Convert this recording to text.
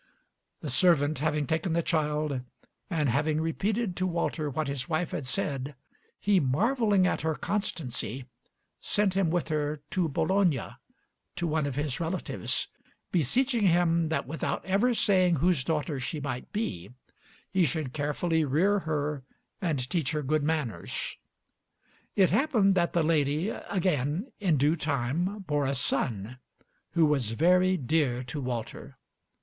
The servant having taken the child and having repeated to Walter what his wife had said, he, marveling at her constancy, sent him with her to Bologna to one of his relatives, beseeching him that without ever saying whose daughter she might be, he should carefully rear her and teach her good manners. It happened that the lady again in due time bore a son, who was very dear to Walter.